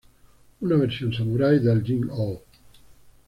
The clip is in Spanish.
Una Versión Samurái del Engine-Oh.